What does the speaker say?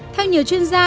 theo nhiều chuyên gia